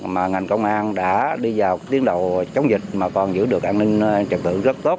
mà ngành công an đã đi vào tiến đầu chống dịch mà còn giữ được an ninh trật tự rất tốt